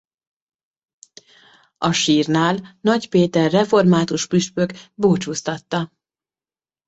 A sírnál Nagy Péter református püspök búcsúztatta.